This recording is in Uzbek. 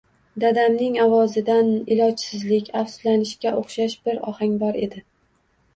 Dadamning ovozidan ilojsizlik, afsuslanishga oʻxshash bir ohang bor edi.